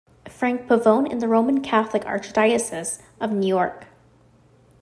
Frank Pavone in the Roman Catholic Archdiocese of New York.